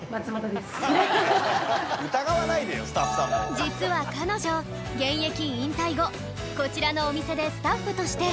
実は彼女現役引退後こちらのお店でスタッフとして働いているんです